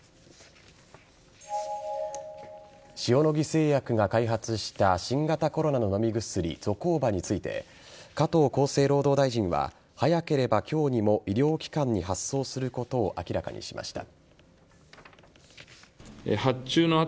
塩野義製薬が開発した新型コロナの飲み薬ゾコーバについて加藤厚生労働大臣は早ければ今日にも医療機関に発送することを明らかにしました。